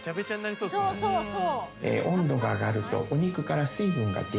そうそうそう！